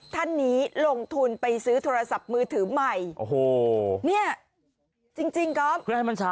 ท่านนี้ลงทุนไปซื้อโทรศัพท์มือถือใหม่เนี่ยจริงก๊อบ